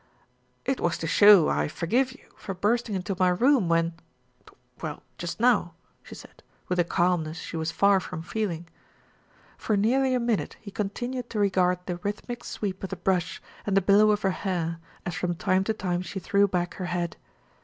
"It was to show I forgive you for bursting into my room when well, just now," she said, with a calmness she was far from feeling. For nearly a minute he continued to regard the rhythmic sweep of the brush and the billow of her hair as from time to time she threw back her head.